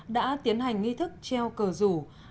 đã tiến hành nghi thức treo cờ rủ